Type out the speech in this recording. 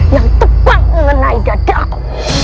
yang tepat mengenai dada aku